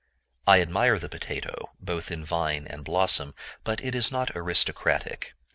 I admire the potato, both in vine and blossom; but it is not aristocratic.